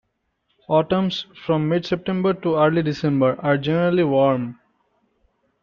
Autumns, from mid-September to early December, are generally warm.